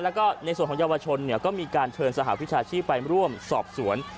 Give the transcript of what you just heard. แล้วก็ในส่วนของเยาวชนก็มีการเชิญสหวิชาชีพไปร่วมสอบสวน